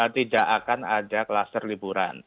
tidak akan ada kluster liburan